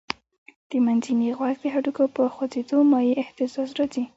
د منځني غوږ د هډوکو په خوځېدو مایع اهتزاز راځي.